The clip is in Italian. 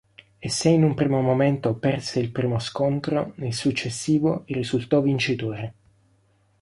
E se in un primo momento perse il primo scontro, nel successivo risultò vincitore.